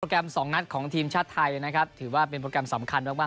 แกรมสองนัดของทีมชาติไทยนะครับถือว่าเป็นโปรแกรมสำคัญมากมาก